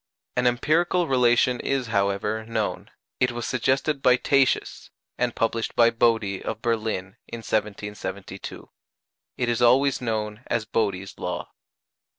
An empirical relation is, however, known: it was suggested by Tatius, and published by Bode, of Berlin, in 1772. It is always known as Bode's law.